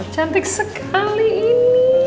cantik sekali ini